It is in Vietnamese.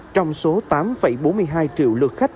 trong số tám bốn mươi hai triệu lượt khách